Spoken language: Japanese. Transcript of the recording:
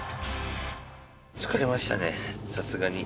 疲れましたね、さすがに。